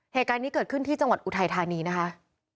เหตุการณ์นี้เกิดขึ้นที่จังหวัดอุทัยธานีนะคะ